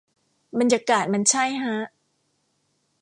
บรรยากาศมันใช่ฮะ